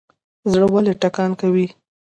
زړه ولې ټکان کوي؟